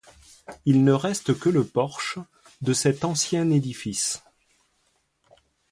Il ne reste que le porche de cet ancien édifice.